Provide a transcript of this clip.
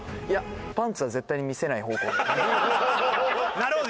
なるほど。